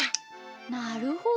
なるほど。